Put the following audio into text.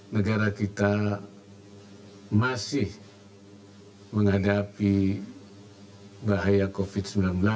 negara kita masih menghadapi bahaya covid sembilan belas